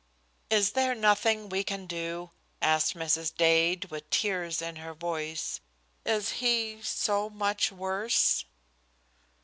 "Is there nothing we can do?" asked Mrs. Dade, with tears in her voice. "Is he so much worse?"